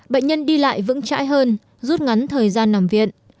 bệnh nhân đi lại vững chãi hơn rút ngắn thời gian nằm viện